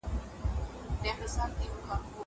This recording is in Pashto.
انځورونه د زهشوم له خوا رسم کيږي!